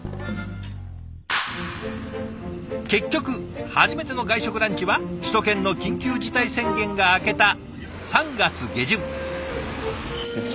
結局初めての外食ランチは首都圏の緊急事態宣言が明けた３月下旬。